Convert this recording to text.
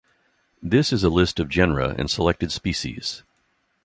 This is a list of genera and selected species.